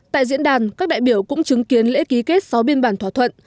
tại diễn đàn các đại biểu cũng chứng kiến lễ ký kết sáu biên bản thỏa thuận